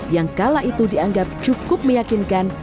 yang kala itu dianggap cukup meyakinkan